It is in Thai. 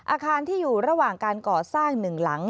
อาคารที่อยู่ระหว่างการก่อสร้าง๑หลัง